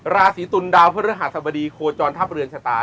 ราศีตุลดาวพฤหัสบดีโคจรทัพเรือนชะตา